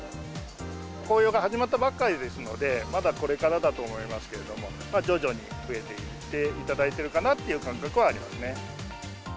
紅葉が始まったばっかりですので、まだこれからだと思いますけれども、徐々に増えていっていただいているかなっていう感覚はありますね。